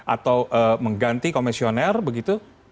atau mengganti komisioner begitu